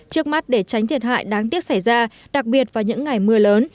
trước mắt để tránh thiệt hại đáng tiếc xảy ra đặc biệt vào những ngày mưa lớn